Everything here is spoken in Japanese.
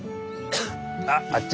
あっあっち。